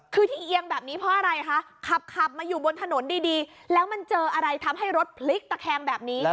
คือที่เอี่ยงแบบนี้เพราะอะไรคะ